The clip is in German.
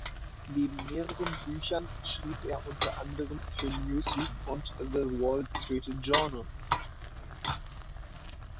Neben mehreren Büchern schrieb er unter anderem für "Newsweek" und "The Wall Street Journal".